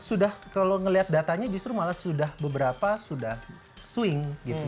sudah kalau ngelihat datanya justru malah sudah beberapa sudah swing